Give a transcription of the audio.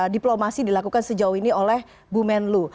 diplomasi dilakukan sejauh ini oleh bumen lu